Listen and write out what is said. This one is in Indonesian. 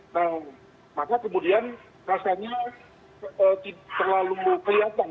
nah maka kemudian rasanya tidak terlalu kelihatan